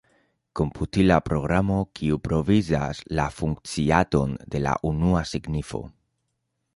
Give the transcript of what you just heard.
Komputila programo kiu provizas la funkciadon de la unua signifo.